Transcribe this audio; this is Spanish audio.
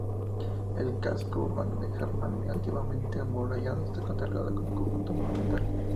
El Casco Urbano de Hernani, antiguamente amurallado, está catalogado como Conjunto Monumental.